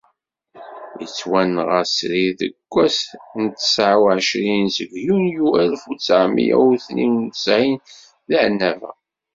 Yettwanɣa srid deg wass n tesεa u εecrin deg junyu alef u tesεemya u tnin u tesεin deg Ɛennaba.